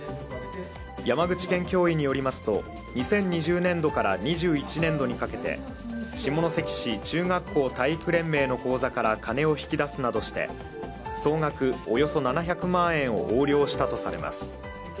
山口県教委によりますと２０２０年度から２１年度にかけて下関市中学校体育連盟の口座から金を引き出すなどして総額およそ７００万円を横領したとされます。